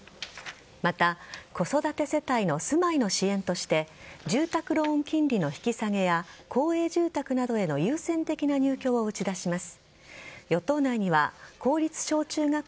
また子育て世帯の住まいの支援として住宅ローン金利の引き下げや公営住宅への優先的な入居を打ち出します。